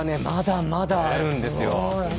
まだまだあるんですよ。